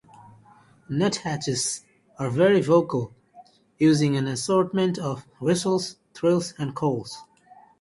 Nuthatches are very vocal, using an assortment of whistles, trills and calls.